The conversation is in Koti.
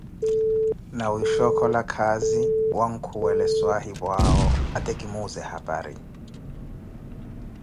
nawisha okhola khazizao wankhuwele swaahipu awo ate kimuuze hapari.